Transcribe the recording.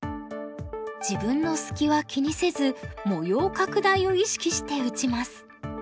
自分の隙は気にせず模様拡大を意識して打ちます。